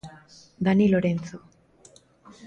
Dani Lorenzo.